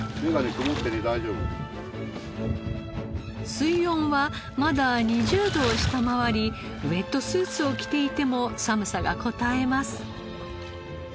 水温はまだ２０度を下回りウェットスーツを着ていても寒さがこたえます。